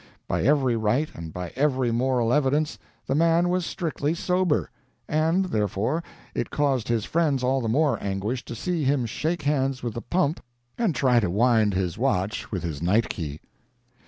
By every right and by every moral evidence the man was strictly sober; and, therefore, it caused his friends all the more anguish to see him shake hands with the pump and try to wind his watch with his night key.